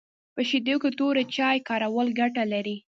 په شیدو کي توري چای کارول ګټه لري